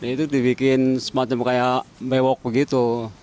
itu dibikin semacam kayak mewok begitu